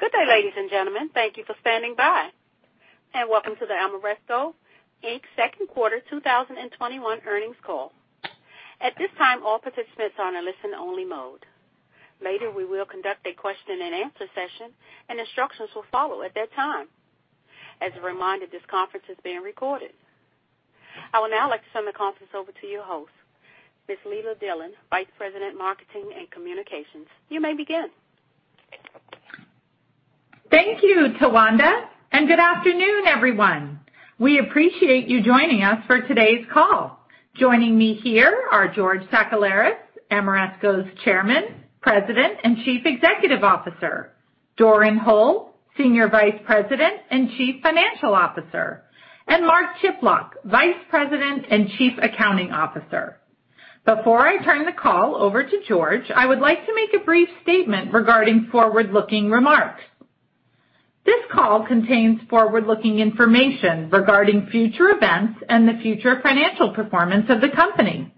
Good day, ladies and gentlemen. Thank you for standing by, and welcome to the Ameresco, Inc.'s second quarter 2021 earnings call. At this time, all participants are in listen-only mode. Later, we will conduct a question-and-answer session, and instructions will follow at that time. As a reminder, this conference is being recorded. I would now like to turn the conference over to your host, Ms. Leila Dillon, Vice President, Marketing and Communications. You may begin. Thank you, Tawanda, and good afternoon, everyone. We appreciate you joining us for today's call. Joining me here are George Sakellaris, Ameresco's Chairman, President, and Chief Executive Officer, Doran Hole, Senior Vice President and Chief Financial Officer, and Mark Chiplock, Vice President and Chief Accounting Officer. Before I turn the call over to George, I would like to make a brief statement regarding forward-looking remarks. This call contains forward-looking information regarding future events and the future financial performance of the company.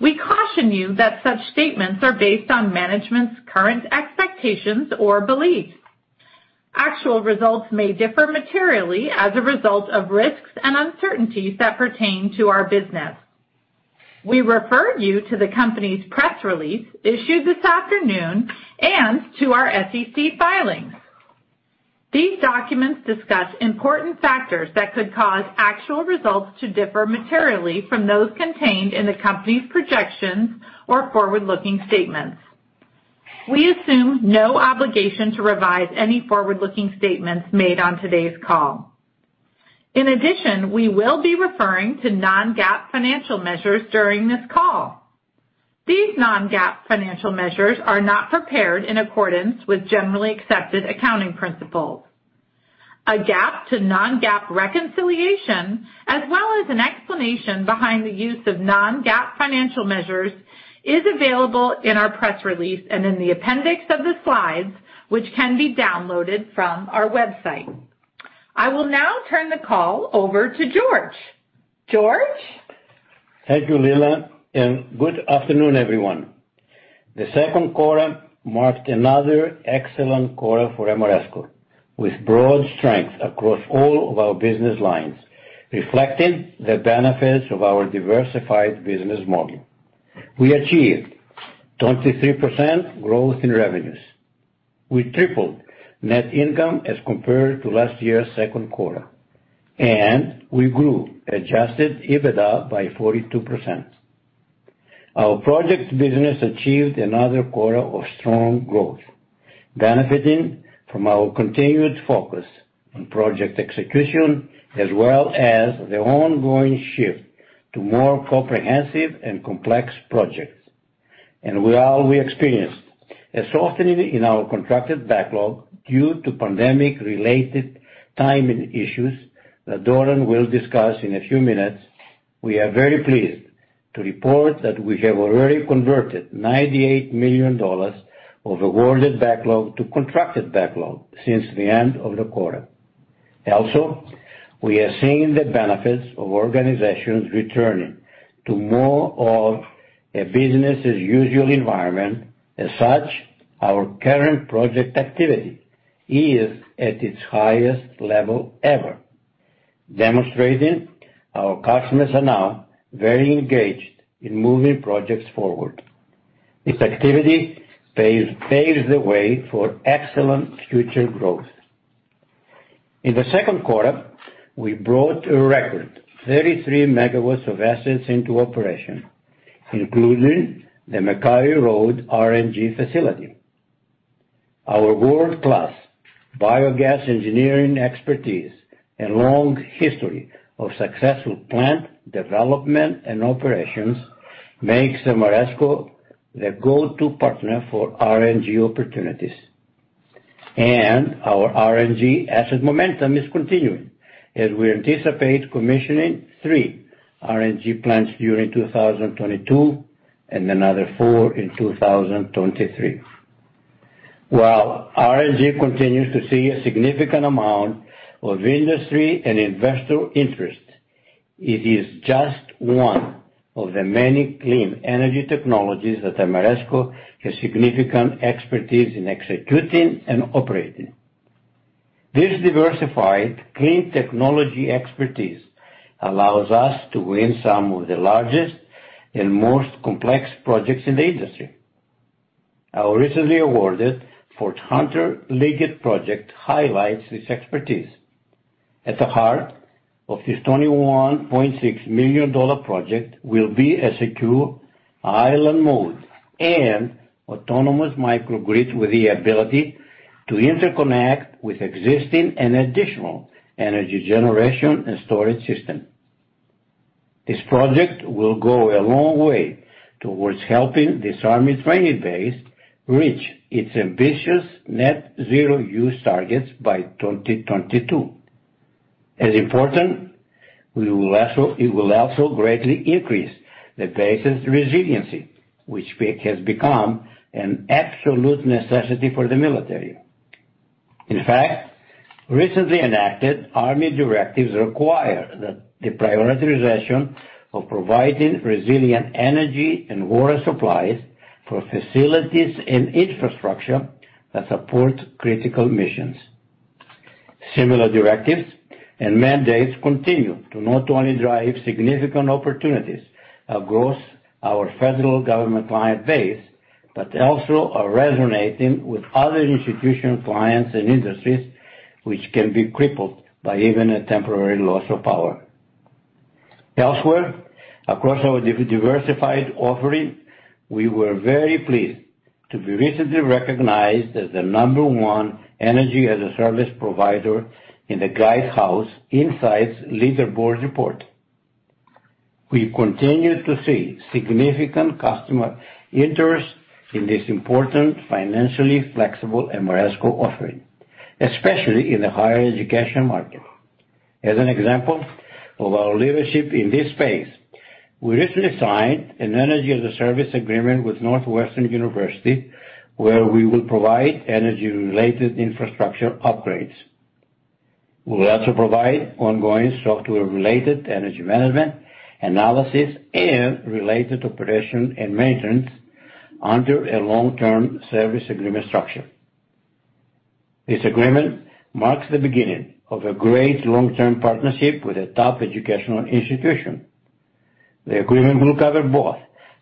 We caution you that such statements are based on management's current expectations or beliefs. Actual results may differ materially as a result of risks and uncertainties that pertain to our business. We refer you to the company's press release issued this afternoon and to our SEC filings. These documents discuss important factors that could cause actual results to differ materially from those contained in the company's projections or forward-looking statements. We assume no obligation to revise any forward-looking statements made on today's call. We will be referring to non-GAAP financial measures during this call. These non-GAAP financial measures are not prepared in accordance with Generally Accepted Accounting Principles. A GAAP to non-GAAP reconciliation, as well as an explanation behind the use of non-GAAP financial measures, is available in our press release and in the appendix of the slides, which can be downloaded from our website. I will now turn the call over to George. George? Thank you, Leila. Good afternoon, everyone. The second quarter marked another excellent quarter for Ameresco, with broad strength across all of our business lines, reflecting the benefits of our diversified business model. We achieved 23% growth in revenues. We tripled net income as compared to last year's second quarter, and we grew adjusted EBITDA by 42%. Our projects business achieved another quarter of strong growth, benefiting from our continued focus on project execution, as well as the ongoing shift to more comprehensive and complex projects. While we experienced a softening in our contracted backlog due to pandemic-related timing issues that Doran will discuss in a few minutes, we are very pleased to report that we have already converted $98 million of awarded backlog to contracted backlog since the end of the quarter. Also, we are seeing the benefits of organizations returning to more of a business-as-usual environment. As such, our current project activity is at its highest level ever, demonstrating our customers are now very engaged in moving projects forward. This activity paves the way for excellent future growth. In the second quarter, we brought a record 33 MW of assets into operation, including the McCarty Road RNG facility. Our world-class biogas engineering expertise and long history of successful plant development and operations makes Ameresco the go-to partner for RNG opportunities. Our RNG asset momentum is continuing as we anticipate commissioning three RNG plants during 2022 and another four in 2023. While RNG continues to see a significant amount of industry and investor interest, it is just one of the many clean energy technologies that Ameresco has significant expertise in executing and operating. This diversified clean technology expertise allows us to win some of the largest and most complex projects in the industry. Our recently awarded Fort Hunter Liggett project highlights this expertise. At the heart of this $21.6 million project will be a secure island mode and autonomous microgrid with the ability to interconnect with existing and additional energy generation and storage system. This project will go a long way towards helping this army training base reach its ambitious net zero use targets by 2022. As important, it will also greatly increase the base's resiliency, which has become an absolute necessity for the military. In fact, recently enacted army directives require the prioritization of providing resilient energy and water supplies for facilities and infrastructure that support critical missions. Similar directives and mandates continue to not only drive significant opportunities across our federal government client base but also are resonating with other institutional clients and industries, which can be crippled by even a temporary loss of power. Elsewhere, across our diversified offering, we were very pleased to be recently recognized as the number one energy-as-a-service provider in the Guidehouse Insights Leaderboard Report. We continue to see significant customer interest in this important financially flexible Ameresco offering, especially in the higher education market. As an example of our leadership in this space, we recently signed an energy-as-a-service agreement with Northwestern University, where we will provide energy-related infrastructure upgrades. We'll also provide ongoing software-related energy management analysis and related operation and maintenance under a long-term service agreement structure. This agreement marks the beginning of a great long-term partnership with a top educational institution. The agreement will cover both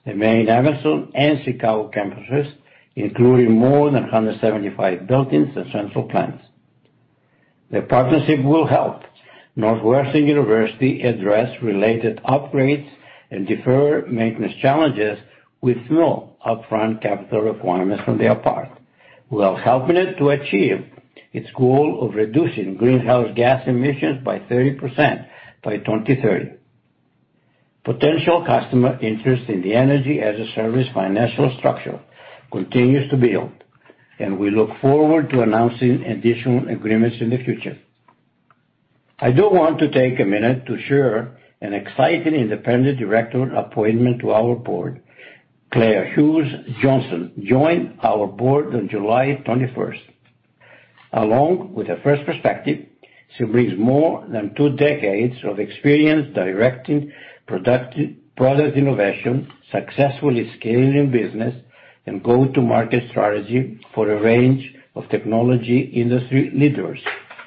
the main Evanston and Chicago campuses, including more than 175 buildings and central plants. The partnership will help Northwestern University address related upgrades and defer maintenance challenges with no upfront capital requirements on their part, while helping it to achieve its goal of reducing greenhouse gas emissions by 30% by 2030. Potential customer interest in the energy-as-a-service financial structure continues to build. We look forward to announcing additional agreements in the future. I do want to take a minute to share an exciting independent director appointment to our board. Claire Hughes Johnson joined our board on July 21st. Along with her fresh perspective, she brings more than two decades of experience directing product innovation, successfully scaling business, and go-to-market strategy for a range of technology industry leaders,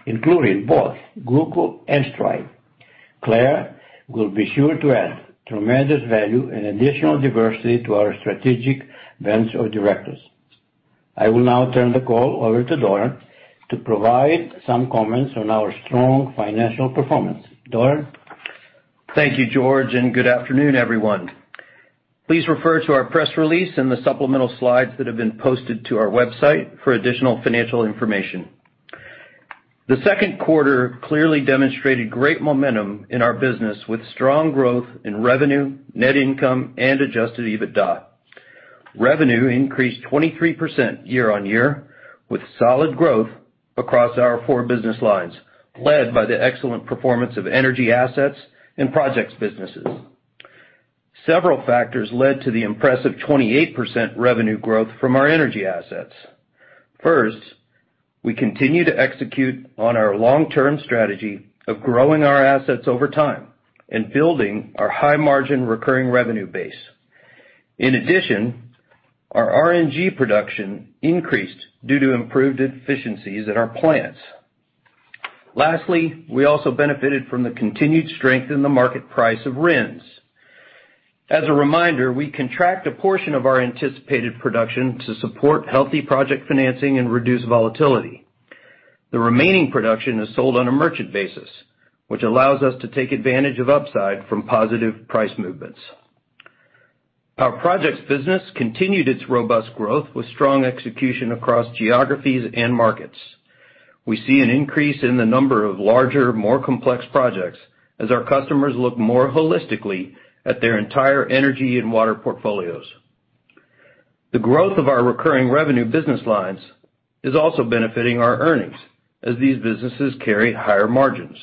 including both Google and Stripe. Claire will be sure to add tremendous value and additional diversity to our strategic bench of directors. I will now turn the call over to Doran to provide some comments on our strong financial performance. Doran? Thank you, George, and good afternoon, everyone. Please refer to our press release and the supplemental slides that have been posted to our website for additional financial information. The second quarter clearly demonstrated great momentum in our business with strong growth in revenue, net income, and adjusted EBITDA. Revenue increased 23% year-on-year with solid growth across our four business lines, led by the excellent performance of energy assets and projects businesses. Several factors led to the impressive 28% revenue growth from our energy assets. First, we continue to execute on our long-term strategy of growing our assets over time and building our high-margin recurring revenue base. In addition, our RNG production increased due to improved efficiencies at our plants. Lastly, we also benefited from the continued strength in the market price of RINs. As a reminder, we contract a portion of our anticipated production to support healthy project financing and reduce volatility. The remaining production is sold on a merchant basis, which allows us to take advantage of upside from positive price movements. Our projects business continued its robust growth with strong execution across geographies and markets. We see an increase in the number of larger, more complex projects as our customers look more holistically at their entire energy and water portfolios. The growth of our recurring revenue business lines is also benefiting our earnings, as these businesses carry higher margins.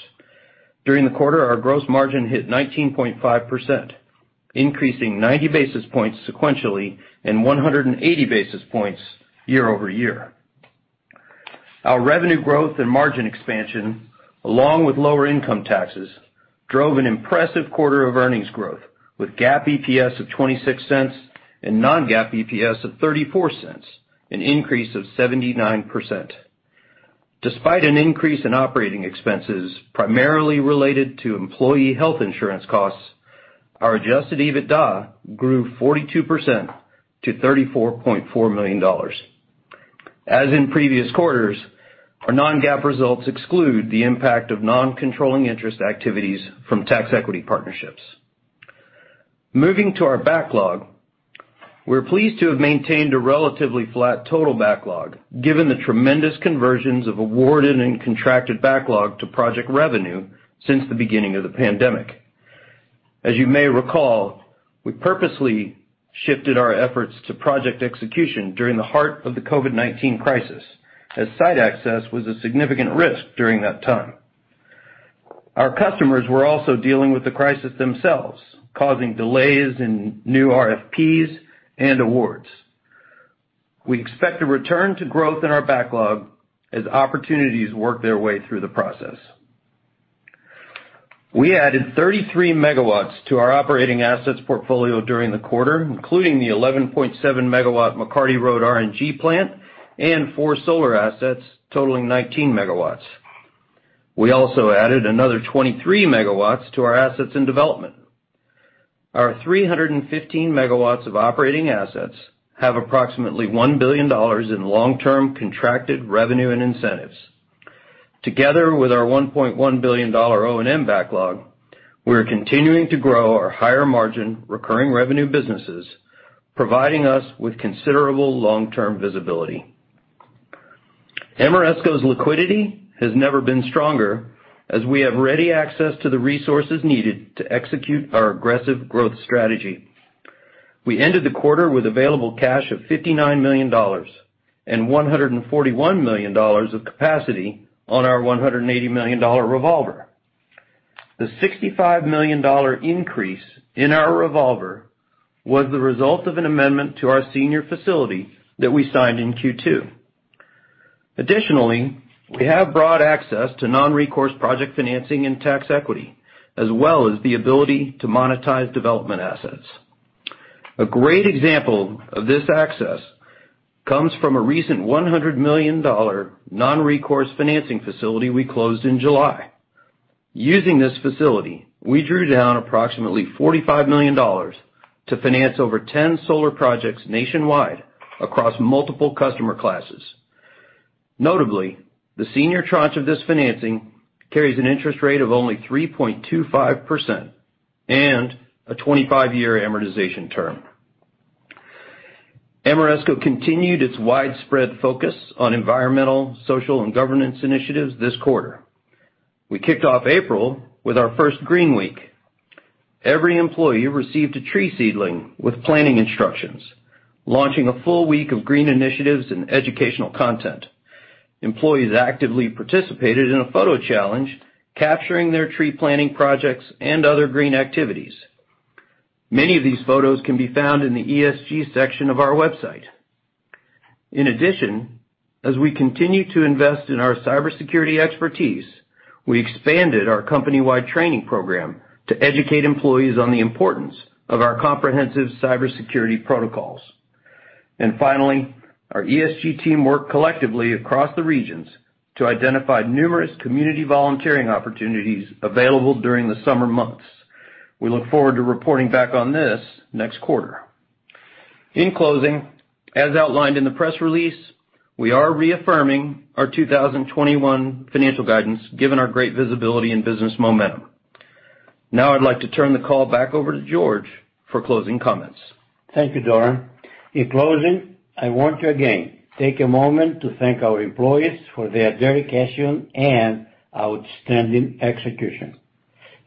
During the quarter, our gross margin hit 19.5%, increasing 90 basis points sequentially and 180 basis points year-over-year. Our revenue growth and margin expansion, along with lower income taxes, drove an impressive quarter of earnings growth, with GAAP EPS of $0.26 and non-GAAP EPS of $0.34, an increase of 79%. Despite an increase in operating expenses, primarily related to employee health insurance costs, our adjusted EBITDA grew 42% to $34.4 million. As in previous quarters, our non-GAAP results exclude the impact of non-controlling interest activities from tax equity partnerships. Moving to our backlog, we're pleased to have maintained a relatively flat total backlog given the tremendous conversions of awarded and contracted backlog to project revenue since the beginning of the pandemic. As you may recall, we purposely shifted our efforts to project execution during the heart of the COVID-19 crisis, as site access was a significant risk during that time. Our customers were also dealing with the crisis themselves, causing delays in new RFPs and awards. We expect a return to growth in our backlog as opportunities work their way through the process. We added 33 MW to our operating assets portfolio during the quarter, including the 11.7-MW McCarty Road RNG plant and four solar assets totaling 19 MW. We also added another 23 MW to our assets in development. Our 315 MW of operating assets have approximately $1 billion in long-term contracted revenue and incentives. Together with our $1.1 billion O&M backlog, we are continuing to grow our higher-margin recurring revenue businesses, providing us with considerable long-term visibility. Ameresco's liquidity has never been stronger, as we have ready access to the resources needed to execute our aggressive growth strategy. We ended the quarter with available cash of $59 million and $141 million of capacity on our $180 million revolver. The $65 million increase in our revolver was the result of an amendment to our senior facility that we signed in Q2. We have broad access to non-recourse project financing and tax equity, as well as the ability to monetize development assets. A great example of this access comes from a recent $100 million non-recourse financing facility we closed in July. Using this facility, we drew down approximately $45 million to finance over 10 solar projects nationwide across multiple customer classes. The senior tranche of this financing carries an interest rate of only 3.25% and a 25-year amortization term. Ameresco continued its widespread focus on environmental, social, and governance initiatives this quarter. We kicked off April with our first Green Week. Every employee received a tree seedling with planting instructions, launching a full week of green initiatives and educational content. Employees actively participated in a photo challenge, capturing their tree-planting projects and other green activities. Many of these photos can be found in the ESG section of our website. As we continue to invest in our cybersecurity expertise, we expanded our company-wide training program to educate employees on the importance of our comprehensive cybersecurity protocols. Finally, our ESG team worked collectively across the regions to identify numerous community volunteering opportunities available during the summer months. We look forward to reporting back on this next quarter. In closing, as outlined in the press release, we are reaffirming our 2021 financial guidance given our great visibility and business momentum. I'd like to turn the call back over to George for closing comments. Thank you, Doran. In closing, I want to again take a moment to thank our employees for their dedication and outstanding execution.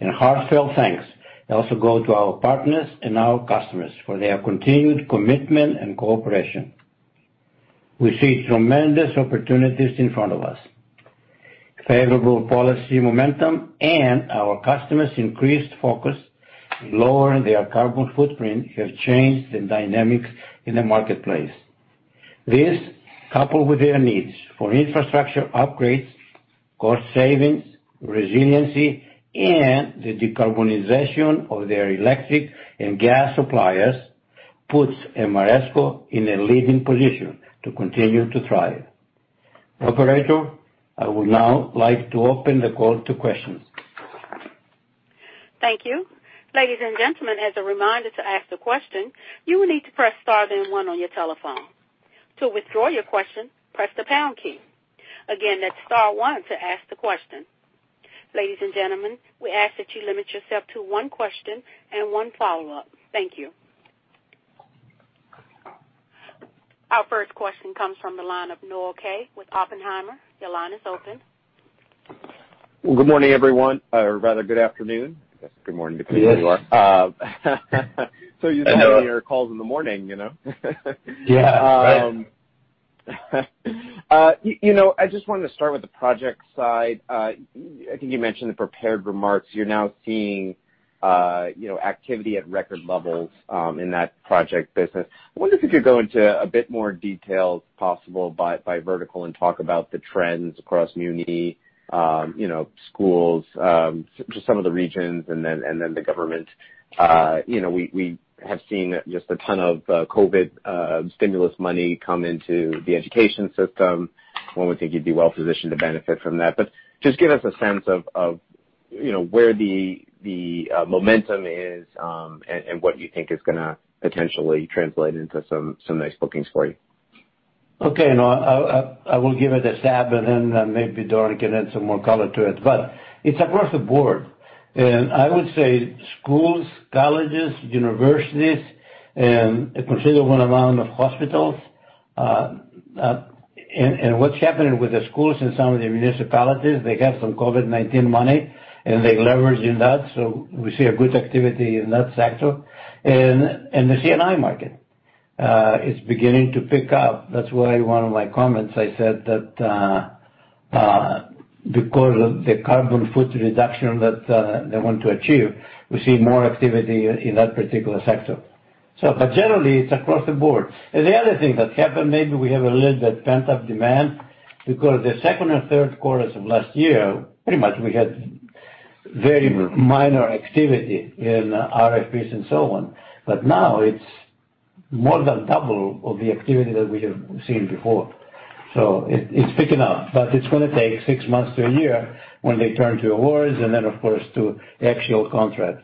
Heartfelt thanks also go to our partners and our customers for their continued commitment and cooperation. We see tremendous opportunities in front of us. Favorable policy momentum and our customers' increased focus to lower their carbon footprint have changed the dynamics in the marketplace. This, coupled with their needs for infrastructure upgrades, cost savings, resiliency, and the decarbonization of their electric and gas suppliers, puts Ameresco in a leading position to continue to thrive. Operator, I would now like to open the call to questions. Thank you. Ladies and gentlemen, as a reminder to ask the question, you will need to press star then one on your telephone. To withdraw your question, press the pound key. Again, that's star one to ask the question. Ladies and gentlemen, we ask that you limit yourself to one question and one follow-up. Thank you. Our first question comes from the line of Noah Kaye with Oppenheimer. Your line is open. Good morning, everyone, or rather, good afternoon. I guess good morning, depending where you are. Usually, your call is in the morning. Yeah. I just wanted to start with the project side. I think you mentioned the prepared remarks. You're now seeing activity at record levels in that project business. I wonder if you could go into a bit more detail, if possible, by vertical and talk about the trends across muni, schools, just some of the regions, and then the government. We have seen just a ton of COVID stimulus money come into the education system. One would think you'd be well-positioned to benefit from that. Just give us a sense of where the momentum is and what you think is going to potentially translate into some nice bookings for you. Okay, Noah. I will give it a stab, then maybe Doran can add some more color to it. It's across the board. I would say schools, colleges, universities, and a considerable amount of hospitals. What's happening with the schools in some of the municipalities, they have some COVID-19 money, and they're leveraging that, so we see a good activity in that sector. The C&I market is beginning to pick up. That's why one of my comments, I said that because of the carbon footprint reduction that they want to achieve, we see more activity in that particular sector. Generally, it's across the board. The other thing that happened, maybe we have a little bit pent-up demand because the second and third quarters of last year, pretty much we had very minor activity in RFPs and so on. Now it's more than double of the activity that we have seen before. It's picking up. It's going to take six months to a year when they turn to awards and then of course to actual contracts.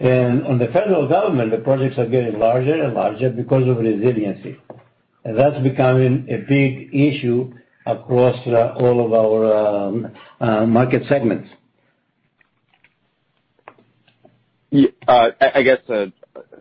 On the federal government, the projects are getting larger and larger because of resiliency. That's becoming a big issue across all of our market segments. I guess,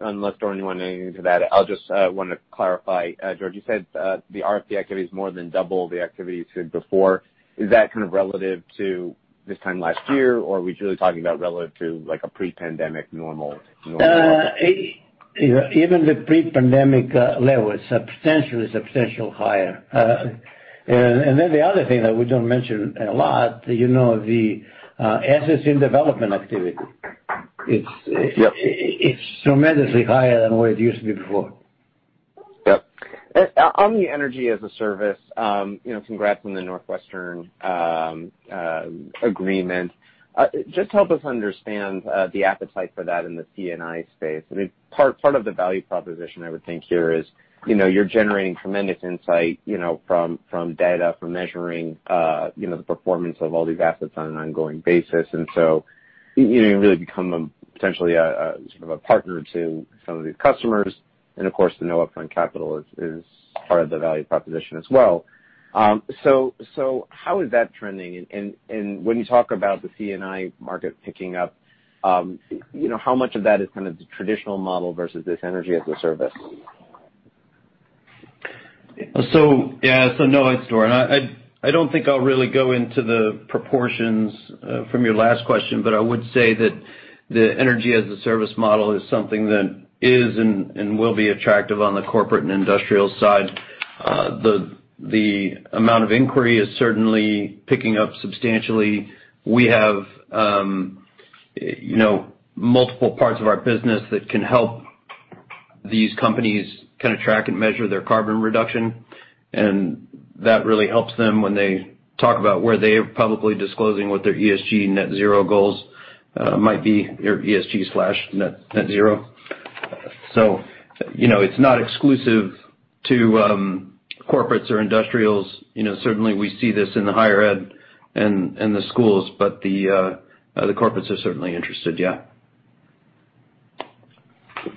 unless Doran, you want to add anything to that, I just want to clarify. George, you said the RFP activity is more than double the activity you said before. Is that kind of relative to this time last year, or are we really talking about relative to a pre-pandemic normal market? Even the pre-pandemic level, it's substantially higher. The other thing that we don't mention a lot, the assets in development activity. Yep. It's tremendously higher than what it used to be before. Yep. On the energy-as-a-service, congrats on the Northwestern agreement. Just help us understand the appetite for that in the C&I space. I mean, part of the value proposition I would think here is you're generating tremendous insight from data, from measuring the performance of all these assets on an ongoing basis. So, you really become potentially a sort of a partner to some of these customers. Of course, the no upfront capital is part of the value proposition as well. How is that trending? When you talk about the C&I market picking up, how much of that is kind of the traditional model versus this energy-as-a-service? Yeah. Noah, it's Doran. I don't think I'll really go into the proportions from your last question, but I would say that the energy-as-a-service model is something that is and will be attractive on the corporate and industrial side. The amount of inquiry is certainly picking up substantially. We have multiple parts of our business that can help these companies kind of track and measure their carbon reduction, and that really helps them when they talk about where they are publicly disclosing what their ESG net zero goals might be, or ESG/net zero. It's not exclusive to corporates or industrials. Certainly we see this in the higher ed and the schools, but the corporates are certainly interested, yeah.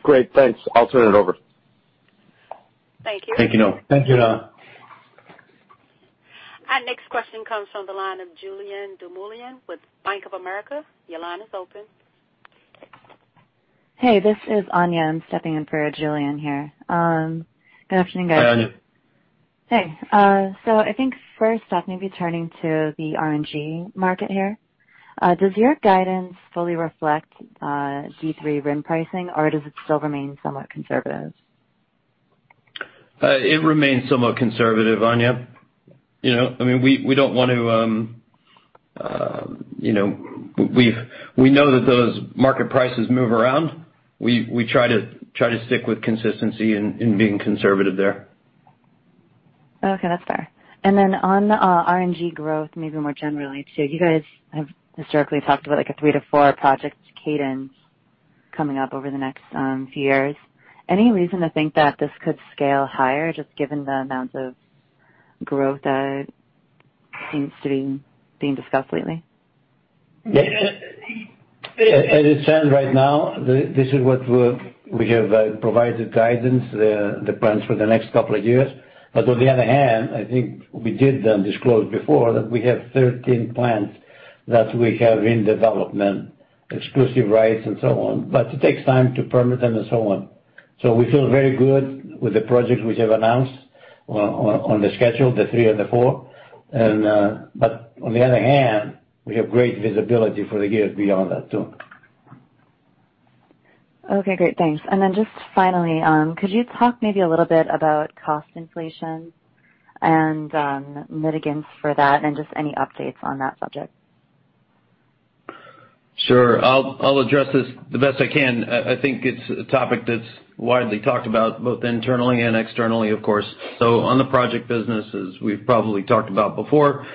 Great. Thanks. I'll turn it over. Thank you. Thank you, Noah. Thank you, Noah. Our next question comes from the line of Julien Dumoulin with Bank of America. Your line is open. Hey, this is Anya. I'm stepping in for Julien here. Good afternoon, guys. Hi, Anya. Hey. I think first off, maybe turning to the RNG market here. Does your guidance fully reflect Q3 RIN pricing, or does it still remain somewhat conservative? It remains somewhat conservative, Anya. We know that those market prices move around. We try to stick with consistency in being conservative there. Okay. That's fair. On RNG growth, maybe more generally too, you guys have historically talked about like a three to four project cadence coming up over the next few years. Any reason to think that this could scale higher, just given the amount of growth that seems to being discussed lately? As it stands right now, this is what we have provided guidance, the plans for the next couple of years. On the other hand, I think we did disclose before that we have 13 plants that we have in development, exclusive rights and so on. It takes time to permit them and so on. We feel very good with the projects we have announced on the schedule, the three and the four. On the other hand, we have great visibility for the years beyond that too. Okay, great. Thanks. Then just finally, could you talk maybe a little bit about cost inflation and mitigants for that and just any updates on that subject? Sure. I'll address this the best I can. I think it's a topic that's widely talked about both internally and externally, of course. On the project business, as we've probably talked about before,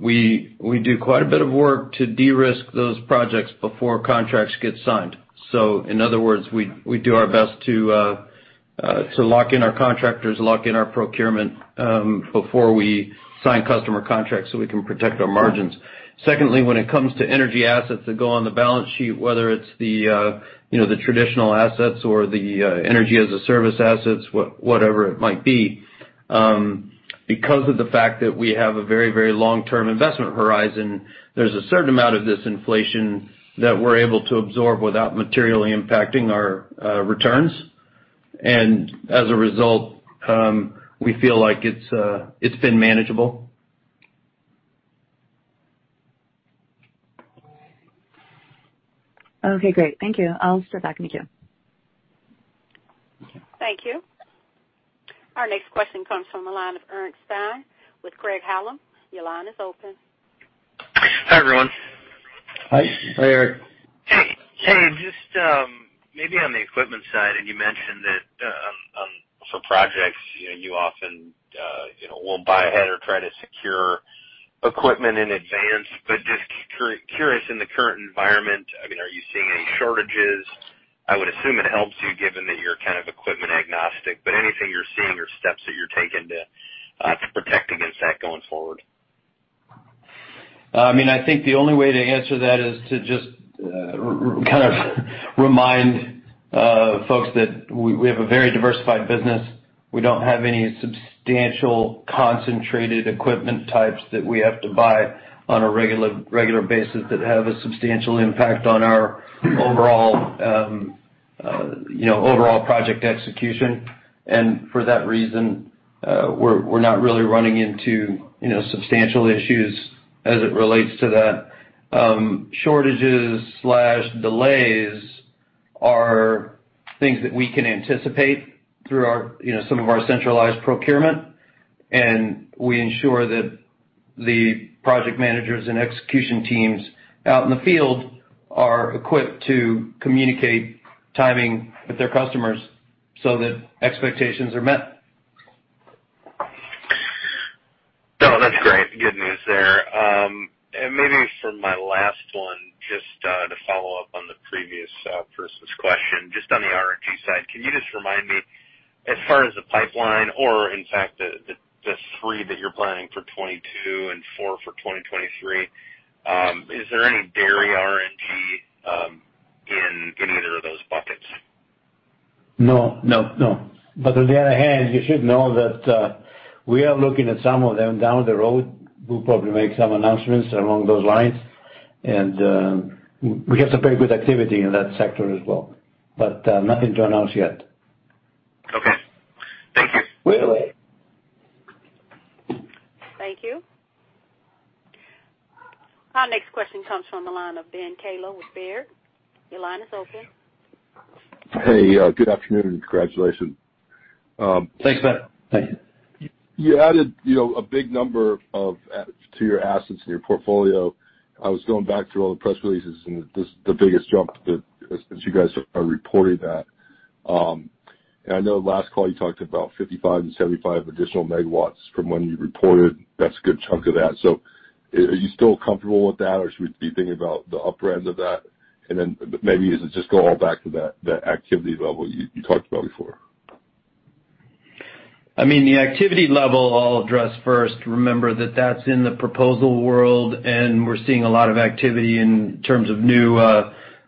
we do quite a bit of work to de-risk those projects before contracts get signed. In other words, we do our best to lock in our contractors, lock in our procurement before we sign customer contracts so we can protect our margins. Secondly, when it comes to energy assets that go on the balance sheet, whether it's the traditional assets or the energy-as-a-service assets, whatever it might be, because of the fact that we have a very long-term investment horizon, there's a certain amount of this inflation that we're able to absorb without materially impacting our returns. As a result, we feel like it's been manageable. Okay, great. Thank you. I'll circle back in the queue. Thank you. Our next question comes from the line of Eric Stine with Craig-Hallum. Your line is open. Hi, everyone. Hi. Hi, Eric. Hey. Just maybe on the equipment side, and you mentioned that for projects, you often won't buy ahead or try to secure equipment in advance. Just curious in the current environment, are you seeing any shortages? I would assume it helps you given that you're kind of equipment agnostic. Anything you're seeing or steps that you're taking to protect against that going forward? I think the only way to answer that is to just kind of remind folks that we have a very diversified business. We don't have any substantial concentrated equipment types that we have to buy on a regular basis that have a substantial impact on our overall project execution. For that reason, we're not really running into substantial issues as it relates to that. Shortages/delays are things that we can anticipate through some of our centralized procurement, and we ensure that the project managers and execution teams out in the field are equipped to communicate timing with their customers so that expectations are met. No, that's great. Good news there. Maybe for my last one, just to follow up on the previous person's question, just on the RNG side, can you just remind me, as far as the pipeline, or in fact, the three that you're planning for 2022 and four for 2023, is there any dairy RNG in either of those buckets? No. On the other hand, you should know that we are looking at some of them down the road. We'll probably make some announcements along those lines. We have some very good activity in that sector as well. Nothing to announce yet. Okay. Thank you. You're welcome. Thank you. Our next question comes from the line of Ben Kallo with Baird. Your line is open. Hey, good afternoon, and congratulations. Thanks, Ben. You added a big number to your assets and your portfolio. I was going back through all the press releases, this is the biggest jump since you guys have reported that. I know last call you talked about 55 and 75 additional megawatts from when you reported. That's a good chunk of that. Are you still comfortable with that, or should we be thinking about the upper end of that? Maybe does it just go all back to that activity level you talked about before? The activity level I'll address first. Remember that that's in the proposal world, and we're seeing a lot of activity in terms of new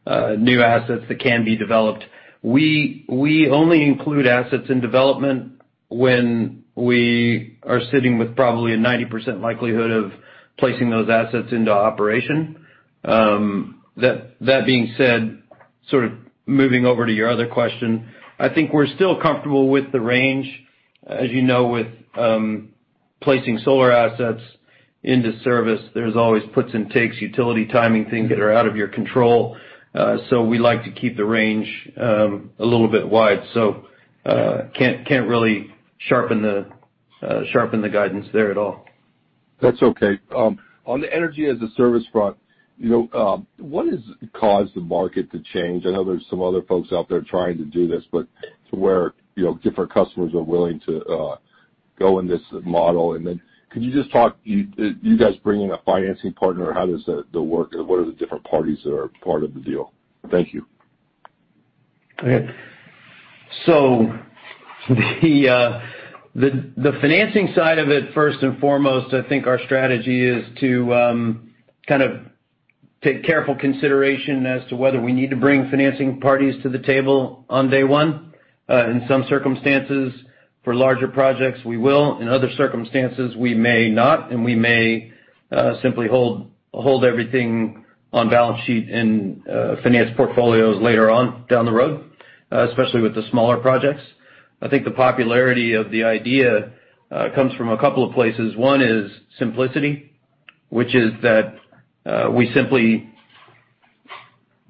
assets that can be developed. We only include assets in development when we are sitting with probably a 90% likelihood of placing those assets into operation. That being said, sort of moving over to your other question, I think we're still comfortable with the range. As you know, with placing solar assets into service, there's always puts and takes, utility timing things that are out of your control. We like to keep the range a little bit wide. Can't really sharpen the guidance there at all. That's okay. On the energy-as-a-service front, what has caused the market to change? I know there's some other folks out there trying to do this, to where different customers are willing to go in this model. Could you just talk, you guys bring in a financing partner? How does that work? What are the different parties that are part of the deal? Thank you. Okay. The financing side of it, first and foremost, I think our strategy is to kind of take careful consideration as to whether we need to bring financing parties to the table on day one. In some circumstances, for larger projects, we will. In other circumstances, we may not, and we may simply hold everything on balance sheet and finance portfolios later on down the road, especially with the smaller projects. I think the popularity of the idea comes from a couple of places. One is simplicity, which is that we simply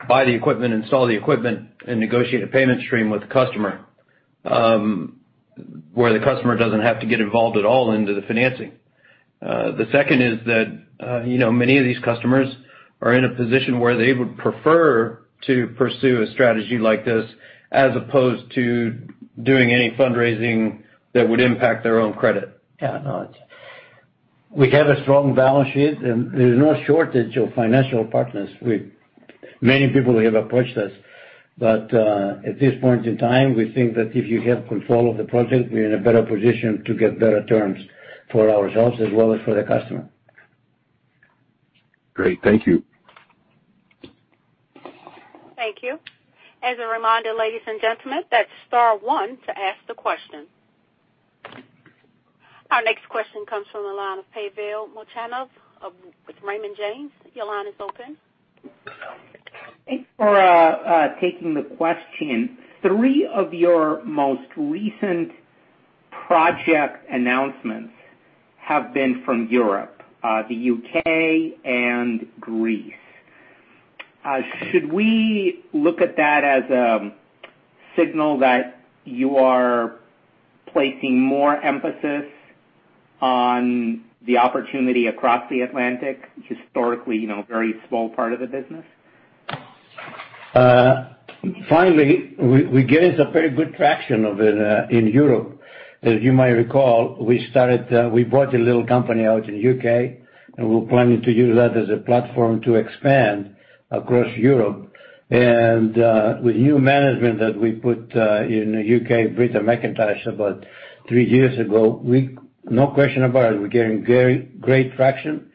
buy the equipment, install the equipment, and negotiate a payment stream with the customer, where the customer doesn't have to get involved at all into the financing. The second is that many of these customers are in a position where they would prefer to pursue a strategy like this as opposed to doing any fundraising that would impact their own credit. Yeah. We have a strong balance sheet, there's no shortage of financial partners. Many people have approached us. At this point in time, we think that if you have control of the project, we're in a better position to get better terms for ourselves as well as for the customer. Great. Thank you. Thank you. As a reminder, ladies and gentlemen, that's star one to ask the question. Our next question comes from the line of Pavel Molchanov with Raymond James. Your line is open. Thanks for taking the question. Three of your most recent project announcements have been from Europe, the U.K., and Greece. Should we look at that as a signal that you are placing more emphasis on the opportunity across the Atlantic, historically, very small part of the business? We're getting some very good traction of it in Europe. As you might recall, we bought a little company out in the U.K., and we're planning to use that as a platform to expand across Europe. With new management that we put in the U.K., Britta MacIntosh, about three years ago, no question about it, we're getting very great traction.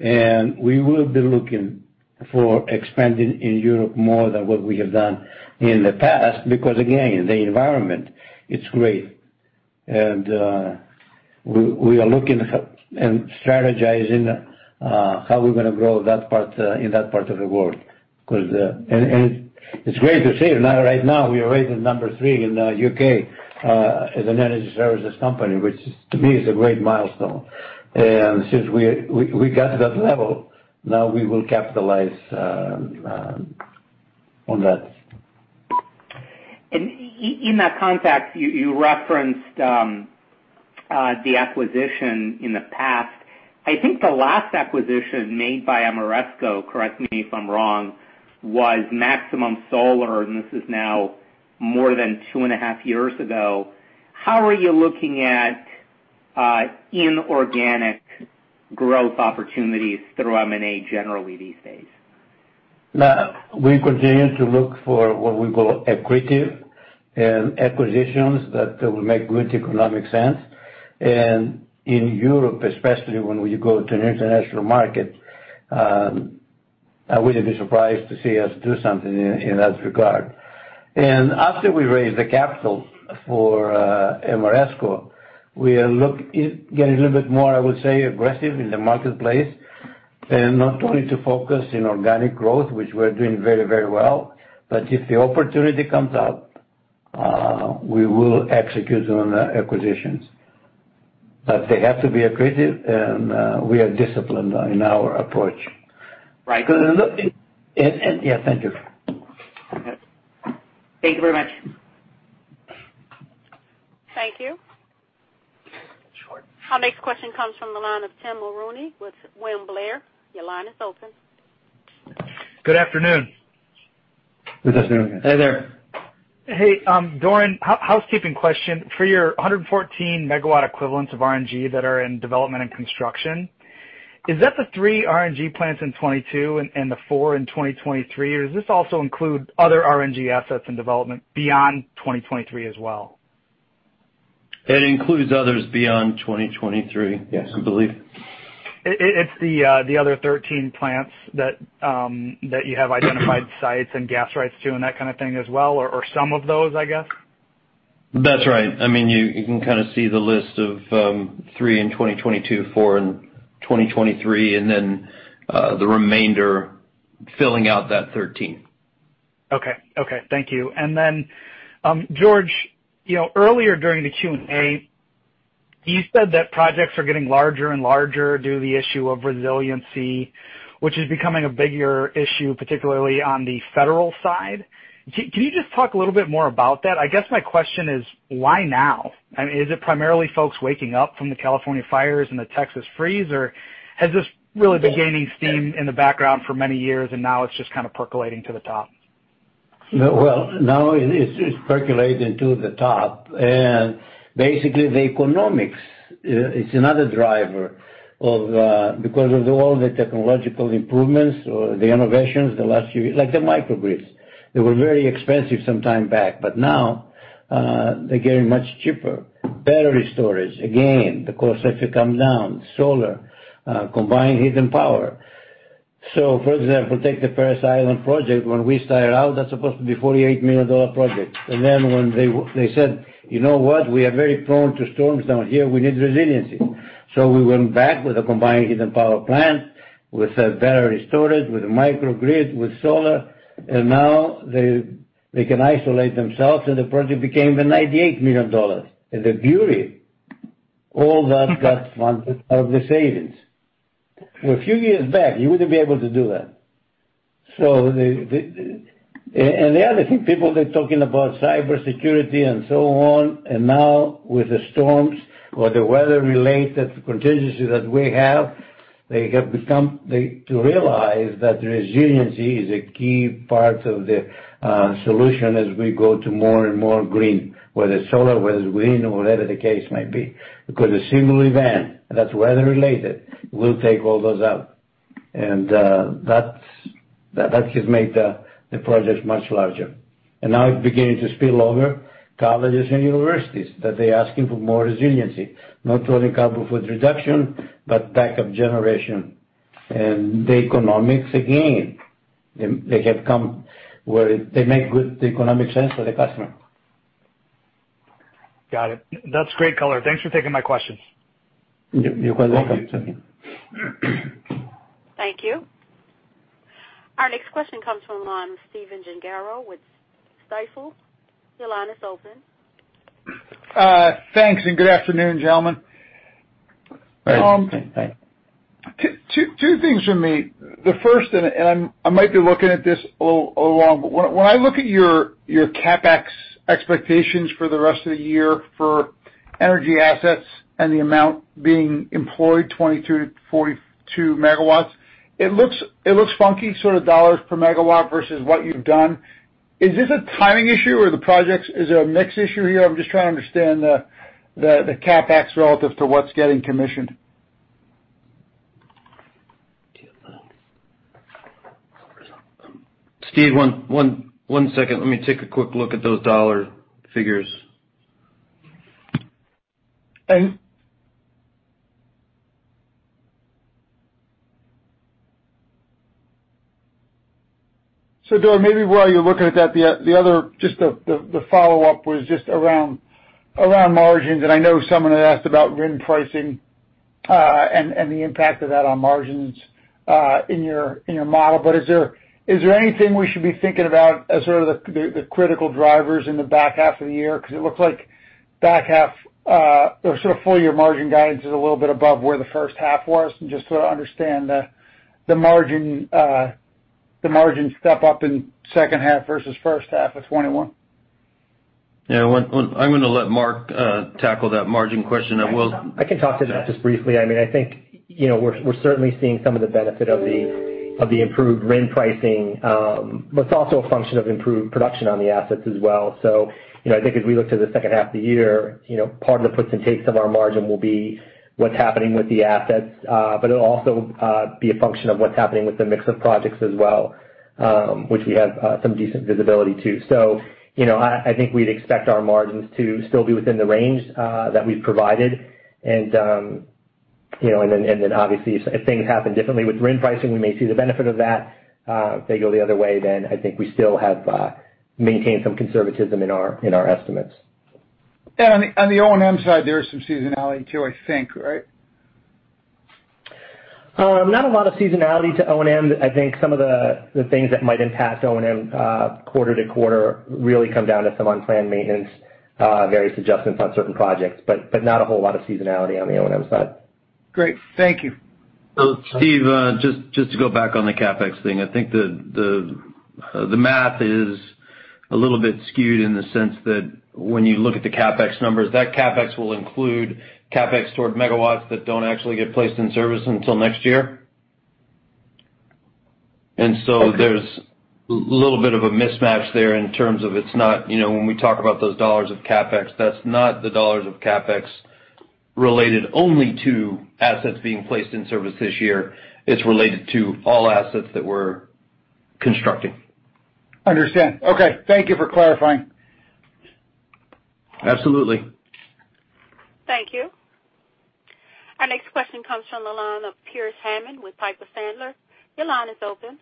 We will be looking for expanding in Europe more than what we have done in the past, because again, the environment, it's great. We are looking and strategizing how we're going to grow in that part of the world. It's great to see right now we are rated number three in the U.K., as an energy services company, which to me is a great milestone. Since we got to that level, now we will capitalize on that. In that context, you referenced the acquisition in the past. I think the last acquisition made by Ameresco, correct me if I'm wrong, was Maximum Solar, and this is now more than two and a half years ago. How are you looking at inorganic growth opportunities through M&A generally these days? We continue to look for what we call accretive and acquisitions that will make good economic sense. In Europe especially when you go to an international market, I wouldn't be surprised to see us do something in that regard. After we raise the capital for Ameresco, we are getting a little bit more, I would say, aggressive in the marketplace. Not only to focus in organic growth, which we're doing very well, but if the opportunity comes up, we will execute on the acquisitions. They have to be accretive, and we are disciplined in our approach. Right. Yeah, thank you. Okay. Thank you very much. Thank you. Sure. Our next question comes from the line of Tim Mulrooney with William Blair. Your line is open. Good afternoon. Good afternoon. Hey there. Hey, Doran, housekeeping question. For your 114 MW equivalents of RNG that are in development and construction, is that the three RNG plants in 2022 and the four in 2023, or does this also include other RNG assets and development beyond 2023 as well? It includes others beyond 2023. Yes. I believe. It's the other 13 plants that you have identified sites and gas rights to and that kind of thing as well, or some of those, I guess? That's right. You can kind of see the list of three in 2022, four in 2023, and then the remainder filling out that 13. Okay. Thank you. George, earlier during the Q&A, you said that projects are getting larger and larger due to the issue of resiliency, which is becoming a bigger issue, particularly on the federal side. Can you just talk a little bit more about that? I guess my question is, why now? Is it primarily folks waking up from the California fires and the Texas freeze, or has this really been gaining steam in the background for many years and now it's just kind of percolating to the top? Now it's percolating to the top, basically the economics, it's another driver. Because of all the technological improvements or the innovations the last few years. Like the microgrids. They were very expensive some time back, now, they're getting much cheaper. Battery storage, again, the cost has come down. Solar, combined heat and power. For example, take the Parris Island project. When we started out, that's supposed to be a $48 million project. One day they said, "You know what? We are very prone to storms down here. We need resiliency." We went back with a combined heat and power plant, with a battery storage, with a microgrid, with solar, and now they can isolate themselves, and the project became $98 million. The beauty, all that got funded out of the savings. A few years back, you wouldn't be able to do that. The other thing, people, they're talking about cybersecurity and so on, and now with the storms or the weather-related contingencies that we have, they have come to realize that resiliency is a key part of the solution as we go to more and more green, whether it's solar, whether it's wind, or whatever the case may be. A single event that's weather-related will take all those out. That has made the projects much larger. Now it's beginning to spill over colleges and universities, that they're asking for more resiliency. Not only carbon footprint reduction, but backup generation. The economics, again, they have come where they make good economic sense for the customer. Got it. That's great color. Thanks for taking my questions. You're quite welcome. Thank you. Thank you. Our next question comes from Stephen Gengaro with Stifel. Your line is open. Thanks, and good afternoon, gentlemen. Hi, Stephen. Two things from me. The first, I might be looking at this all wrong, but when I look at your CapEx expectations for the rest of the year for energy assets and the amount being employed, 22 MW-42 MW, it looks funky, sort of dollar per megawatt versus what you've done. Is this a timing issue or the projects, is it a mix issue here? I'm just trying to understand the CapEx relative to what's getting commissioned. Steve, one second. Let me take a quick look at those dollar figures. Doran, maybe while you're looking at that, the other, just the follow-up was just around margins. I know someone had asked about RIN pricing, and the impact of that on margins, in your model. Is there anything we should be thinking about as sort of the critical drivers in the back half of the year? It looks like back half, or sort of full year margin guidance is a little bit above where the first half was. Just to understand the margin step-up in second half versus first half of 2021. Yeah. I'm going to let Mark tackle that margin question. I can talk to that just briefly. We're certainly seeing some of the benefit of the improved RIN pricing. It's also a function of improved production on the assets as well. As we look to the second half of the year, part of the puts and takes of our margin will be what's happening with the assets. It'll also be a function of what's happening with the mix of projects as well, which we have some decent visibility to. We'd expect our margins to still be within the range that we've provided. Obviously if things happen differently with RIN pricing, we may see the benefit of that. If they go the other way, we still have maintained some conservatism in our estimates. On the O&M side, there is some seasonality too, I think, right? Not a lot of seasonality to O&M. I think some of the things that might impact O&M quarter-to-quarter really come down to some unplanned maintenance, various adjustments on certain projects. Not a whole lot of seasonality on the O&M side. Great. Thank you. Steve, just to go back on the CapEx thing. I think the math is a little bit skewed in the sense that when you look at the CapEx numbers, that CapEx will include CapEx toward megawatts that don't actually get placed in service until next year. There's a little bit of a mismatch there in terms of when we talk about those dollars of CapEx, that's not the dollars of CapEx related only to assets being placed in service this year. It's related to all assets that we're constructing. Understand. Okay. Thank you for clarifying. Absolutely. Thank you. Our next question comes from the line of Pearce Hammond with Piper Sandler. Your line is open.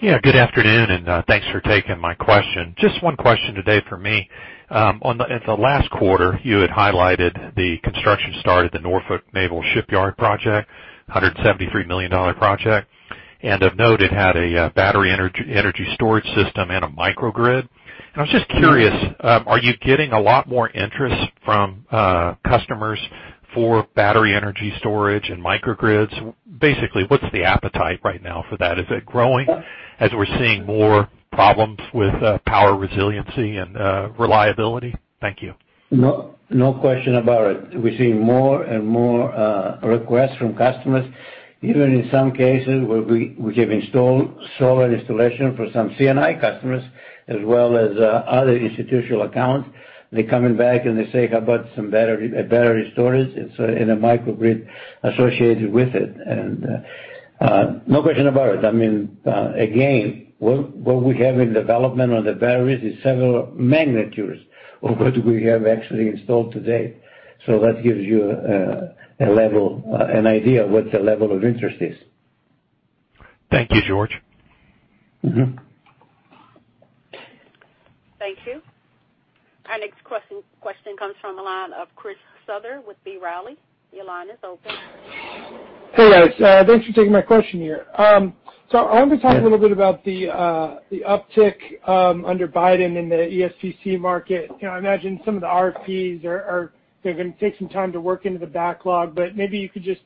Good afternoon. Thanks for taking my question. Just one question today from me. In the last quarter, you had highlighted the construction start at the Norfolk Naval Shipyard project, $173 million project. Of note, it had a battery energy storage system and a microgrid. I was just curious, are you getting a lot more interest from customers for battery energy storage and microgrids? Basically, what's the appetite right now for that? Is it growing as we're seeing more problems with power resiliency and reliability? Thank you. No question about it. We're seeing more and more requests from customers. Even in some cases where we have installed solar installation for some C&I customers as well as other institutional accounts. They're coming back, they say, "How about some battery storage in a microgrid associated with it?" No question about it. Again, what we have in development on the batteries is several magnitudes of what we have actually installed today. That gives you an idea of what the level of interest is. Thank you, George. Thank you. Our next question comes from the line of Chris Souther with B. Riley. Your line is open. Hey, guys. Thanks for taking my question here. I wanted to talk a little bit about the uptick under Biden in the ESPC market. I imagine some of the RFPs, they're going to take some time to work into the backlog, but maybe you could just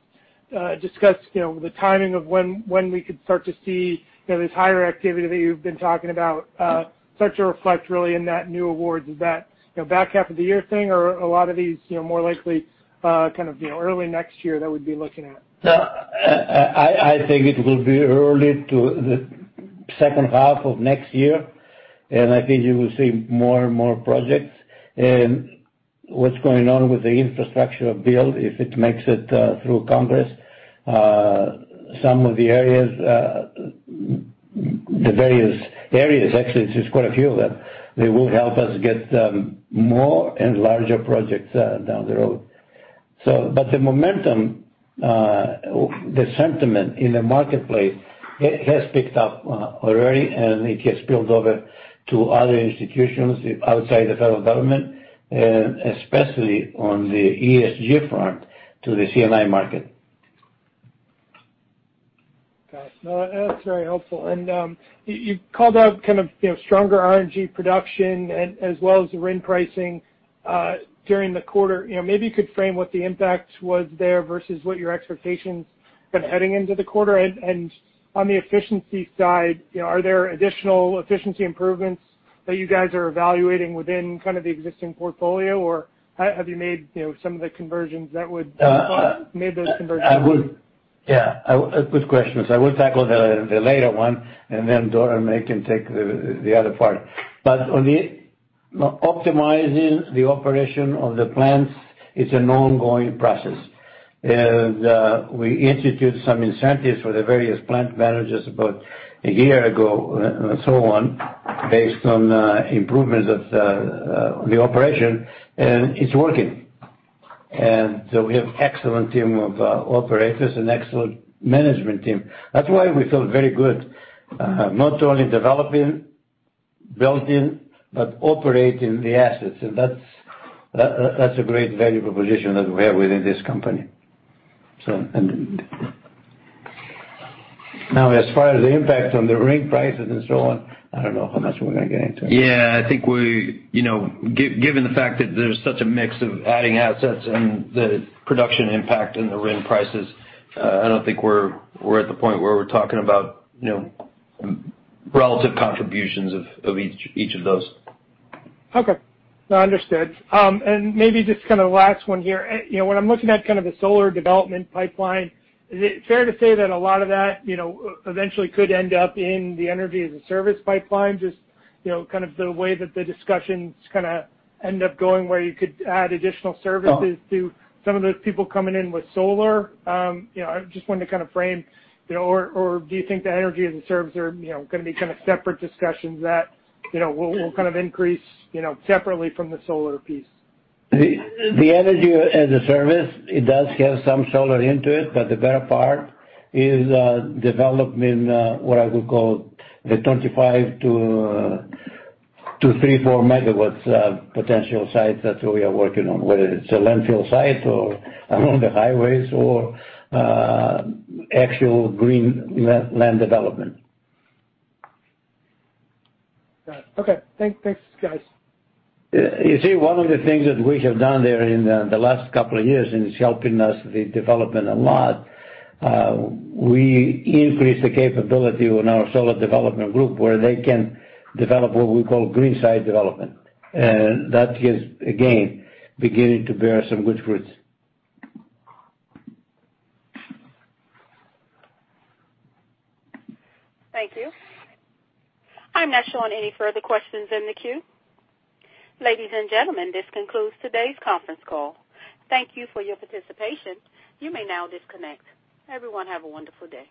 discuss the timing of when we could start to see this higher activity that you've been talking about start to reflect really in that new award. Is that back half of the year thing or are a lot of these more likely kind of early next year that we'd be looking at? I think it will be early to the second half of next year, and I think you will see more and more projects. What's going on with the infrastructure bill, if it makes it through Congress, some of the areas, the various areas, actually, there's quite a few of them. They will help us get more and larger projects down the road. The momentum, the sentiment in the marketplace has picked up already, and it has spilled over to other institutions outside the federal government. Especially on the ESG front to the C&I market. Got it. No, that's very helpful. You called out stronger RNG production as well as the RIN pricing during the quarter. Maybe you could frame what the impact was there versus what your expectations heading into the quarter. On the efficiency side, are there additional efficiency improvements that you guys are evaluating within the existing portfolio, or have you made some of the conversions? Made those conversions? Yeah. Good questions. I will tackle the later one, then Doran can take the other part. On the optimizing the operation of the plants, it's an ongoing process. We institute some incentives for the various plant managers about a year ago and so on, based on improvements of the operation, and it's working. We have excellent team of operators and excellent management team. That's why we feel very good, not only developing, building, but operating the assets. That's a great value proposition that we have within this company. Now, as far as the impact on the RIN prices and so on, I don't know how much we're gonna get into that. Yeah, I think we, given the fact that there's such a mix of adding assets and the production impact and the RIN prices, I don't think we're at the point where we're talking about relative contributions of each of those. Okay. No, understood. Maybe just last one here. When I'm looking at the solar development pipeline, is it fair to say that a lot of that eventually could end up in the energy-as-a-service pipeline? Just the way that the discussions end up going, where you could add additional services. Oh. To some of those people coming in with solar? I just wanted to frame, or do you think the energy-as-a service are gonna be separate discussions that will increase separately from the solar piece? The energy-as-a-service, it does have some solar into it, but the better part is development, what I would call the 25 MW-34 MW of potential sites. That's what we are working on, whether it's a landfill site or along the highways or actual green land development. Got it. Okay. Thanks, guys. You see, one of the things that we have done there in the last couple of years, and it's helping us with development a lot, we increased the capability on our solar development group where they can develop what we call green site development. That is, again, beginning to bear some good fruits. Thank you. I'm not showing any further questions in the queue. Ladies and gentlemen, this concludes today's conference call. Thank you for your participation. You may now disconnect. Everyone have a wonderful day.